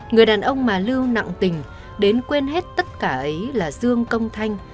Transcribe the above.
người đàn ông mà lưu nặng tình đến quên hết tất cả ấy là dương công thanh